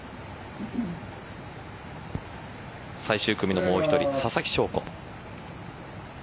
最終組のもう１人ささきしょうこ。